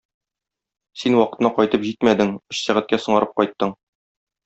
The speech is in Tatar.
Син вакытына кайтып җитмәдең, өч сәгатькә соңгарып кайттың.